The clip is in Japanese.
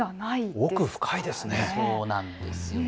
奥深いですね。